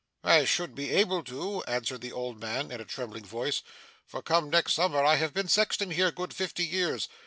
'I should be able to,' answered the old man, in a trembling voice, 'for, come next summer, I have been sexton here, good fifty years.